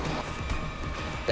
dian gimana dian